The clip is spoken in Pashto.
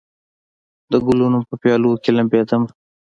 د ګلونو په پیالو کې لمبېدمه